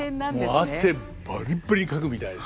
もう汗バリバリにかくみたいですよ。